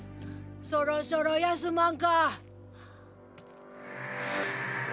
そろそろ休まんか？